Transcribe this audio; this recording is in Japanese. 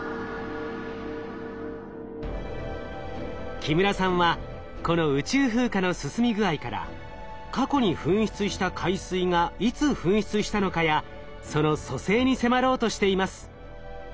木村さんはこの宇宙風化の進み具合から過去に噴出した海水がいつ噴出したのかやその組成に迫ろうとしています。